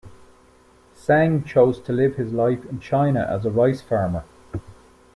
Seng chose to live his life in China as a rice farmer.